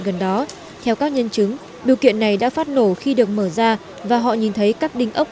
gần đó theo các nhân chứng điều kiện này đã phát nổ khi được mở ra và họ nhìn thấy các đinh ốc